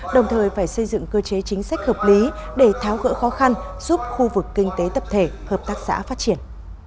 đồng thời phải xây dựng cơ chế chính sách hợp lý để tháo gỡ khó khăn giúp khu vực kinh tế tập thể hợp tác xã phát triển